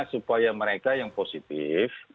supaya mereka yang positif